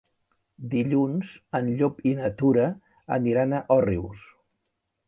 Dilluns en Llop i na Tura aniran a Òrrius.